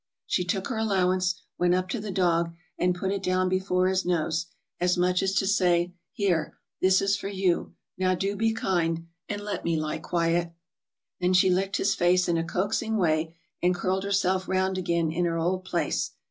She took her allowance, went up to the dog, and put it down before his nose, as much as to say: 'Here, this is for you, now do be kind, and let me lie quiet!' Then she licked his face in a coaxing way, and curled herself round again in her old place.